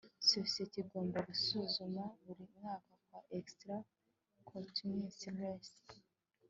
Sosiyete igomba gusuzuma buri mwaka bwa Extra Coutumi res